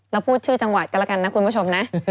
เราพูดชื่อจังหวัดก็แล้วกันนะคุณผู้ชมนะ